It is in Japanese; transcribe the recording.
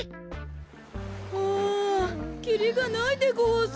はあきりがないでごわす。